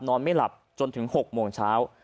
นอนไม่หลับจนถึง๖โมงเช้า